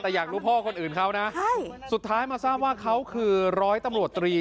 แต่อยากรู้พ่อคนอื่นเขานะใช่สุดท้ายมาทราบว่าเขาคือร้อยตำรวจตรี